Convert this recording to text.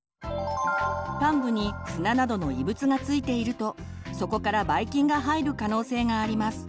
患部に砂などの異物がついているとそこからばい菌が入る可能性があります。